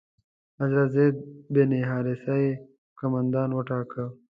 حضرت زید بن حارثه یې قومندان وټاکه.